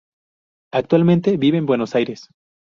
Actualmente vive en Buenos Aires.